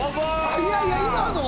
いやいや今の。